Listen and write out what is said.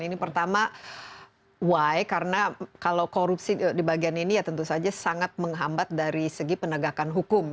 ini pertama why karena kalau korupsi di bagian ini ya tentu saja sangat menghambat dari segi penegakan hukum